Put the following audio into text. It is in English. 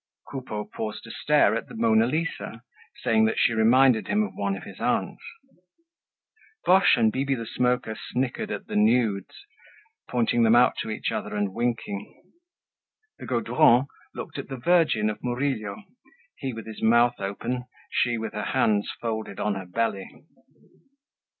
Coupeau paused to stare at the "Mona Lisa," saying that she reminded him of one of his aunts. Boche and Bibi the Smoker snickered at the nudes, pointing them out to each other and winking. The Gaudrons looked at the "Virgin" of Murillo, he with his mouth open, she with her hands folded on her belly.